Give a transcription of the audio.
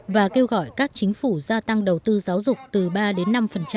và kêu gọi các chính phủ gia tăng đầu tư giáo dục từ ba đến năm